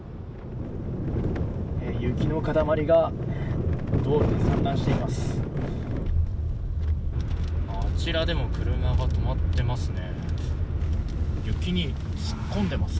雪の塊が道路に散乱しています。